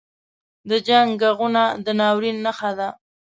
• د جنګ ږغونه د ناورین نښه ده.